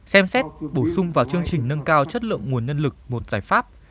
xem xét bổ sung vào chương trình nâng cao chất lượng nguồn nhân lực một giải pháp